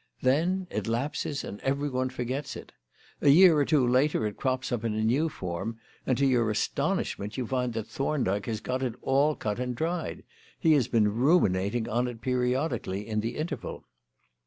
Then it lapses and everyone forgets it. A year or two later it crops up in a new form, and, to your astonishment, you find that Thorndyke has got it all cut and dried. He has been ruminating on it periodically in the interval."